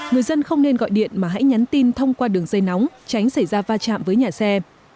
người dân không nên gọi điện mà hãy nhắn tin thông qua đường dây nóng tránh xảy ra va chạm với nhà xe